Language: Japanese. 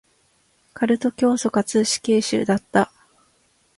カルト教祖かつ死刑囚だった。